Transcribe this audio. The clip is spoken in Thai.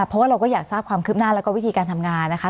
เพราะว่าเราก็อยากทราบความคืบหน้าแล้วก็วิธีการทำงานนะคะ